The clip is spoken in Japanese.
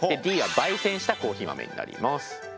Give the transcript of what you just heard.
Ｄは焙煎したコーヒー豆になります。